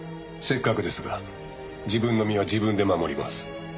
せっかくですが自分の身は自分で守ります。